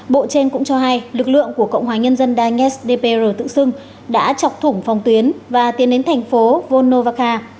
bộ trên cũng cho hay lực lượng của cộng hòa nhân dân danets dpr tự xưng đã chọc thủng phòng tuyến và tiến đến thành phố vonnovaca